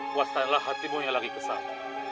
puastainlah hatimu yang lagi kesal